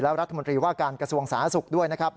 และรัฐมนตรีว่าการกระทรวงสาธารณสุขด้วยนะครับ